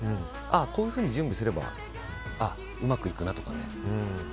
こういうふうに準備すればうまくいくなとかね。